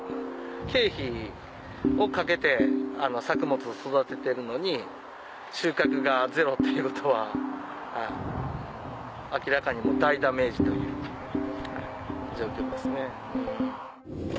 経費をかけて作物を育ててるのに収穫がゼロっていうことは明らかに大ダメージという状況ですね。